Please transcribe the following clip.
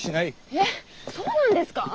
えっそうなんですかぁ⁉